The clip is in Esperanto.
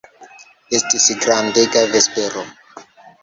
Estis grandega vespero.